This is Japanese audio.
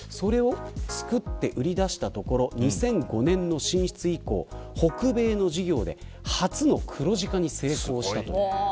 作って売り出したところ２００５年の進出以降北米の事業で初の黒字化に成功した。